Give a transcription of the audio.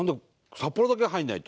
札幌だけ入らないと。